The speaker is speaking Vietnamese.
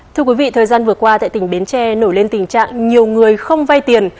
thưa quý vị thời gian vừa qua tại tỉnh bến tre nổi lên tình trạng nhiều người không vay tiền